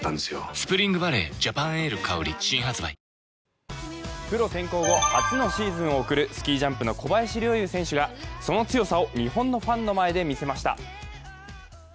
「スプリングバレーＪＡＰＡＮＡＬＥ香」新発売プロ転向後、初のシーズンを送るスキージャンプの小林陵侑選手がその強さを日本のファンの前で見せました。